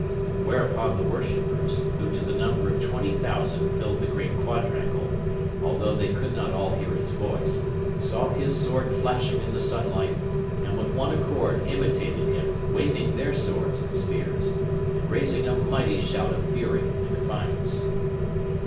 Whereupon the worshippers, who to the number of 20,000 filled the great quadrangle although they could not all hear his voice saw his sword flashing in the sunlight, and with one accord imitated him, waving their swords and spears, and raising a mighty shout of fury and defiance.